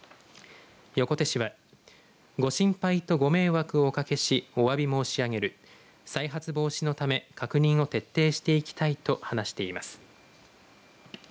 横手市はご心配とご迷惑をおかけしおわび申し上げる再発防止のため確認を徹底していきたいと話しています。